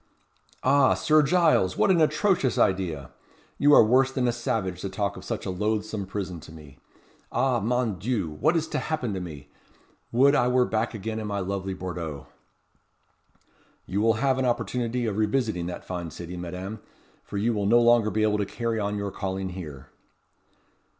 "Ah, Sir Giles! what an atrocious idea. You are worse than a savage to talk of such a loathsome prison to me. Ah! mon Dieu! what is to happen to me! would I were back again in my lovely Bordeaux!" "You will have an opportunity of revisiting that fine city, Madame; for you will no longer be able to carry on your calling here."